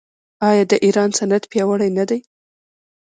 آیا د ایران صنعت پیاوړی نه دی؟